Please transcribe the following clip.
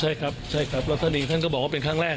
ใช่ครับใช่ครับแล้วท่านดีท่านก็บอกว่าเป็นครั้งแรก